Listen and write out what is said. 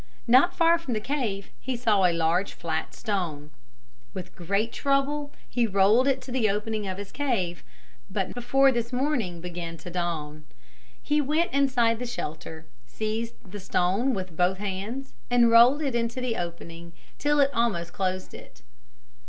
Not far from the cave he saw a large flat stone. With great trouble he rolled it to the opening of his cave, but before this the morning began to dawn. He went inside the shelter, seized the stone with both hands and rolled it into the opening till it almost closed it.